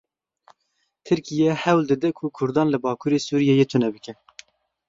Tirkiye hewl dide ku Kurdan li bakurê Sûriyeyê tune bike.